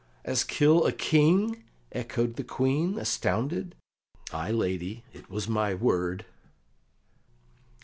"As kill a King?" echoed the Queen, astounded. "Ay, lady, it was my word."